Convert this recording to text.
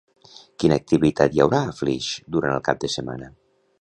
Quina activitat hi haurà a Flix durant el cap de setmana?